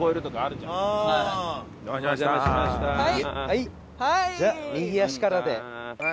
じゃあ右足からで。